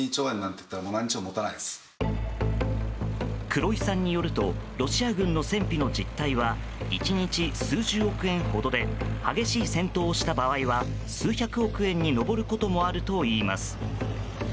黒井さんによるとロシア軍の戦費の実態は１日数十億円ほどで激しい戦闘をした場合は数百億円に上ることもあるといいます。